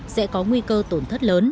sẽ có nguy cơ tổn thất lớn